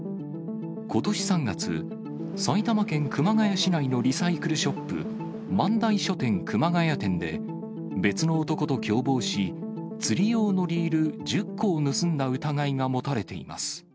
ことし３月、埼玉県熊谷市内のリサイクルショップ、万代書店熊谷店で、別の男と共謀し、釣り用のリール１０個を盗んだ疑いが持たれています。